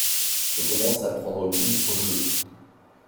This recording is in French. Je commence à prendre goût au jeu.